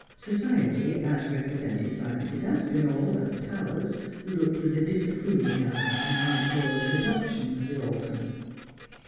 Society, as represented by Mrs. Aspinall, of the Towers, looked with a disapproving eye on Aunt Dora's adoption of the orphan.